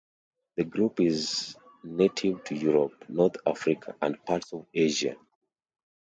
The group is native to Europe, North Africa, and parts of Asia.